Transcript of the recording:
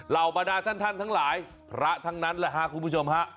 เหล่าปัญญาท่านทั้งหลายพระทั้งนั้นคุณผู้ชม